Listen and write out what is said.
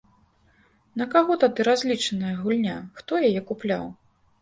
На каго тады разлічаная гульня, хто яе купляў?